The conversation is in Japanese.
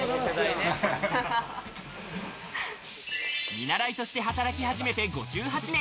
見習いとして働き始めて５８年。